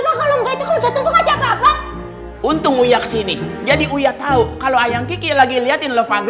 kalau datang untuk untungnya kesini jadi uya tahu kalau ayam kiki lagi lihat in love agar